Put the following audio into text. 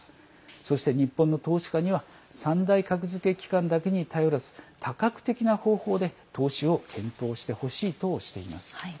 そして日本の投資家には３大格付け機関だけに頼らず多角的な方法で投資を検討してほしいとしています。